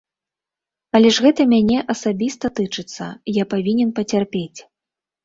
Але гэта ж мяне асабіста тычыцца, я павінен пацярпець.